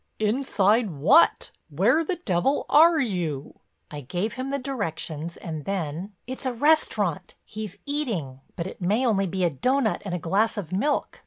"Inside what, where the devil are you?" I gave him the directions and then: "It's a restaurant; he's eating. But it may only be a doughnut and a glass of milk.